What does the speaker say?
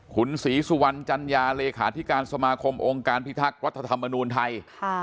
คุณศรีสุวรรณจัญญาเลขาธิการสมาคมองค์การพิทักษ์รัฐธรรมนูลไทย